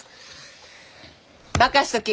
任しとき！